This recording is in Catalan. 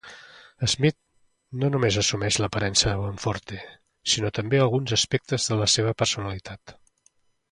Smith no només assumeix l'aparença de Bonforte, sinó també alguns aspectes de la seva personalitat.